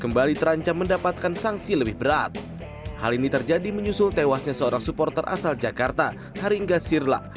mengungkap kasus lewasnya haring ghasirlah